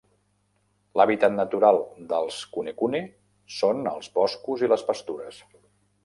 L'hàbitat natural dels kunekune són els boscos i les pastures.